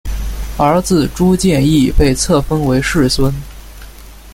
儿子朱健杙被册封为世孙。